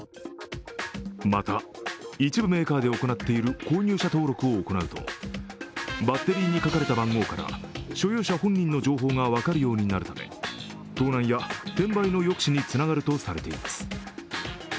また一部メーカーで行っている購入者登録を行うとバッテリーに書かれた番号から所有者本人の情報が分かるようになるので盗難や転売の抑止につながると言われています。